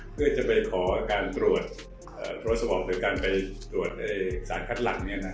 เพื่อขอการตรวจโทรศวรรษหรือการไปตรวจศาสตร์คลัตฯกลัดหลัง